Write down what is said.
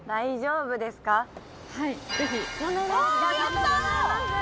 ありがとうございます！